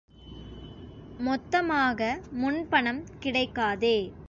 மொத்தமாக முன் பணம் கிடைக்காதே.